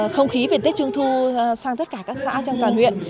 không khí về tết trung thu sang tất cả các xã trong toàn huyện